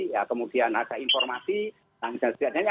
ya kemudian ada informasi dan sebagainya